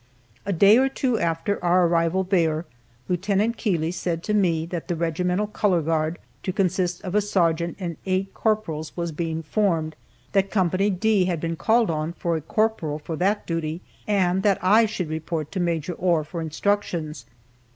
A day or two after our arrival there, Lt. Keeley said to me that the regimental color guard, to consist of a sergeant and eight corporals, was being formed, that Co. D had been called on for a corporal for that duty, and that I should report to Maj. Ohr for instructions.